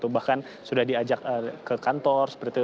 bahkan sudah diajak ke kantor